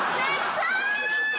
臭い！